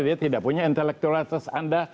dia tidak punya intelektualitas anda